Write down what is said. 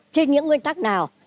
trên những nguyên tắc nào